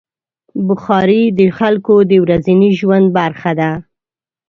بخاري د خلکو د ورځني ژوند برخه ده.